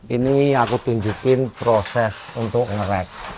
ini aku tunjukin proses untuk ngerajin